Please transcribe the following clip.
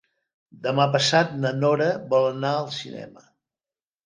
Demà passat na Nora vol anar al cinema.